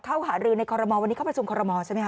เผ่าหารือในคอลโลมอนวันนี้เข้าไปชมคอลโลมอนใช่ไหมคะ